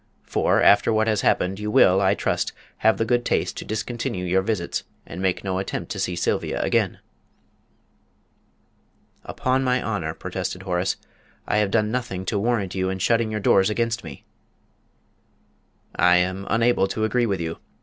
For, after what has happened, you will, I trust, have the good taste to discontinue your visits and make no attempt to see Sylvia again." "Upon my honour," protested Horace, "I have done nothing to warrant you in shutting your doors against me." "I am unable to agree with you.